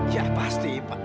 ya pasti pak